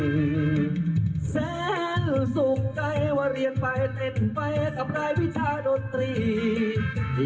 แสนสุขใจว่าเรียนไปเต้นไปกับนายวิชาดนตรี